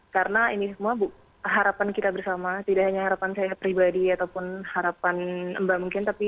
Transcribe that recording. karena ini semua harapan kita bersama tidak hanya harapan saya pribadi ataupun harapan mbak mungkin tapi